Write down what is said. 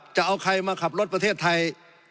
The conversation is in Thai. จะเอาใครมาขับรถประเทศไทย